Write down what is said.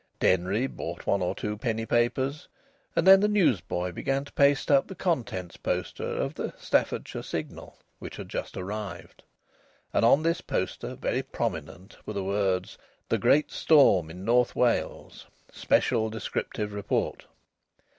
Denry bought one or two penny papers, and then the newsboy began to paste up the contents poster of the Staffordshire Signal, which had just arrived. And on this poster, very prominent, were the words: "The Great Storm in North Wales. Special Descriptive Report."